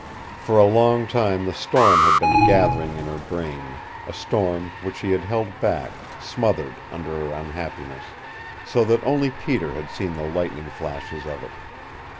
For a long time the storm had been gathering in her brain, a storm which she had held back, smothered under her unhappiness, so that only Peter had seen the lightning flashes of it.